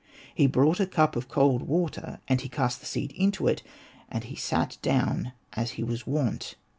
He brought a cup of cold water, and he cast the seed into it : and he sat down, as he was wont.